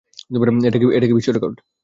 এটা কী বিশ্বরেকর্ড?